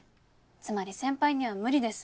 つまり先輩には無理です